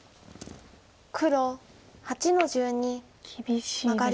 黒８の十二マガリ。